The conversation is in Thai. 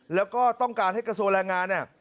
แล้วก็ต้องการให้กระทรวงแรงงานเนี่ย